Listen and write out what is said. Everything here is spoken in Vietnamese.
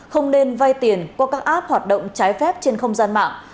không nên vay tiền qua các app hoạt động trái phép trên không gian mạng